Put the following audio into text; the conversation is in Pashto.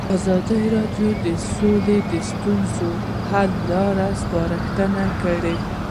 ازادي راډیو د سوله د ستونزو حل لارې سپارښتنې کړي.